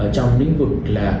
trong những vực là kinh doanh